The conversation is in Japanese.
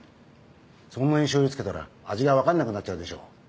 そんなに醤油つけたら味が分かんなくなっちゃうでしょ。